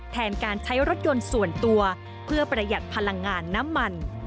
แทนการใช้รถยนต์ส่วนตัวเพื่อประหยัดพลังงานน้ำมัน